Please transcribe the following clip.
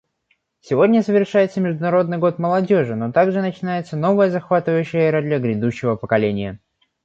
Сегодня завершается Международный год молодежи, но также начинается новая, захватывающая эра для грядущего поколения.